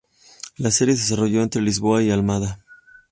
La serie se desarrolla entre Lisboa y Almada.